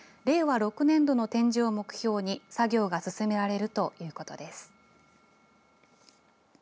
６年度の展示を目標に作業が進められるということです。